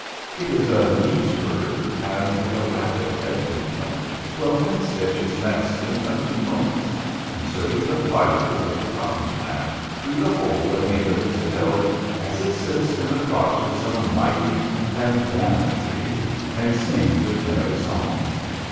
It is a neat bird, and with a rapid head movement will hemstitch its nest in a few moments, inserting the fibres of the cotton plant through the hole at the end of its bill as it sits in the crotch of some mighty bandanna tree, and sings its merry song.